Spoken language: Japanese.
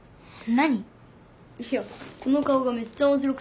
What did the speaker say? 何？